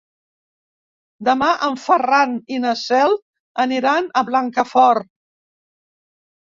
Demà en Ferran i na Cel aniran a Blancafort.